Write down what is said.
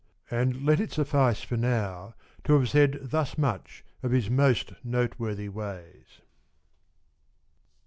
And let it suffice for now to have said thus much of his most noteworthy ways.